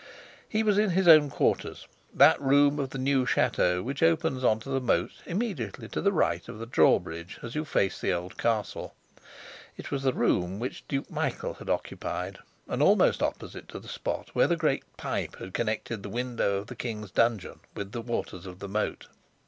He was in his own quarters, that room of the new chateau which opens on to the moat immediately to the right of the drawbridge as you face the old castle; it was the room which Duke Michael had occupied, and almost opposite to the spot where the great pipe had connected the window of the king's dungeon with the waters of the moat.